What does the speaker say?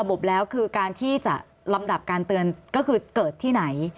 ระบบแล้วคือการที่จะลำดับการเตือนก็คือเกิดที่ไหน